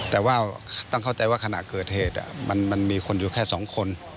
แต่ว่าต้องเข้าใจว่าขณะเกิดเหตุมันมีคนอยู่แค่๒คน